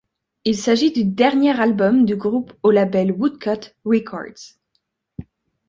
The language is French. Il s'agit du dernier album du groupe au label Woodcut Records.